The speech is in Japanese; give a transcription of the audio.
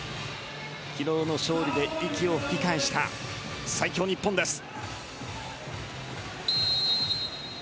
昨日の勝利で息を吹き返した最強日本です。